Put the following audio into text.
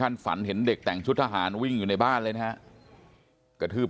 ฝันเห็นเด็กแต่งชุดทหารวิ่งอยู่ในบ้านเลยนะฮะกระทืบ